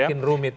dan semakin rumit